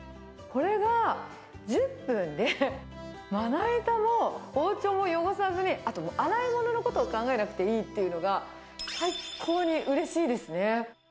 これが１０分で、まな板も包丁も汚さずに、あと洗い物のことを考えなくていいっていうのが、最高にうれしいですね。